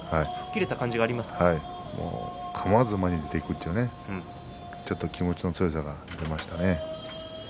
かまわず前に出ていくというちょっと気持ちの強さがありましたね。